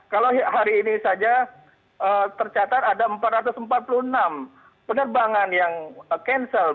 kalau hari ini saja tercatat ada empat ratus empat puluh enam penerbangan yang cancel